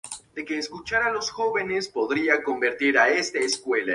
Esta historia tradicional no está apoyada por ningún historiador contemporáneo.